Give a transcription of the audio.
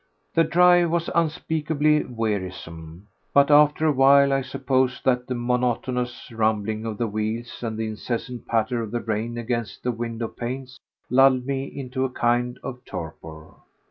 The drive was unspeakably wearisome; but after a while I suppose that the monotonous rumbling of the wheels and the incessant patter of the rain against the window panes lulled me into a kind of torpor.